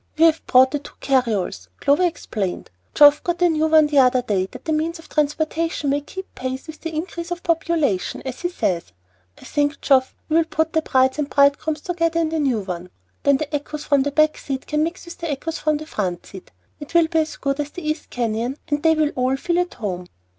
"We have brought the two carryalls," Clover explained. "Geoff got a new one the other day, that the means of transportation may keep pace with the increase of population, as he says. I think, Geoff, we will put the brides and bridegrooms together in the new one. Then the 'echoes' from the back seat can mix with the 'echoes' from the front seat; and it will be as good as the East Canyon, and they will all feel at home."